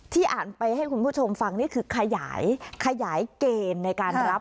อ่านไปให้คุณผู้ชมฟังนี่คือขยายขยายเกณฑ์ในการรับ